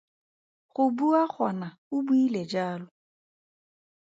Go bua gona o buile jalo.